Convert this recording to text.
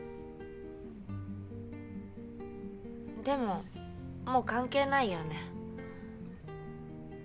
でももう関係ないよね。